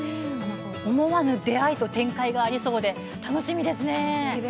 思わぬ出会いと展開がありそうで楽しみですね。